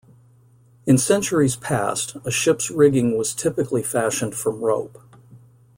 In centuries past, a ship's rigging was typically fashioned from rope.